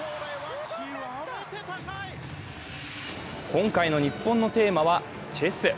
今回の日本のテーマは「チェス」。